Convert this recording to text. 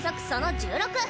その１６！